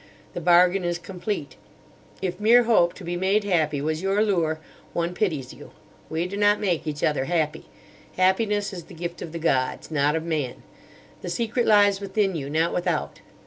The bargain is complete. If mere hope to be made happy was your lure, one pities you. We do not make each other happy. Happiness is the gift of the gods, not of man. The secret lies within you, not without.